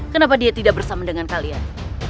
kenapa dia tidak bersama dengan kalian